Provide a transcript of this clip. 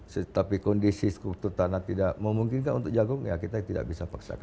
tetapi kondisi struktur tanah tidak memungkinkan untuk jagung ya kita tidak bisa paksakan